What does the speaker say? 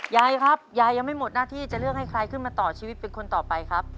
ยายครับยายยังไม่หมดหน้าที่จะเลือกให้ใครขึ้นมาต่อชีวิตเป็นคนต่อไปครับ